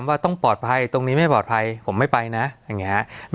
สวัสดีครับทุกผู้ชม